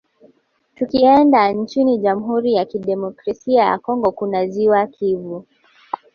Tukienda nchini Jamhuri ya Kidemokrasia ya Congo kuna ziwa Kivu